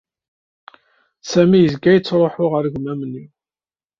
Sami yezga yettṛuḥu ɣer ugmam-nni.